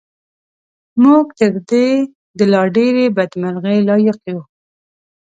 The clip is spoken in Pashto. موږ تر دې د لا ډېرې بدمرغۍ لایق یو.